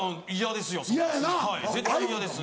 嫌ですよ